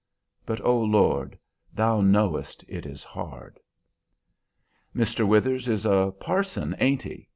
But, O Lord! Thou knowest it is hard." "Mr. Withers is a parson, ain't he?"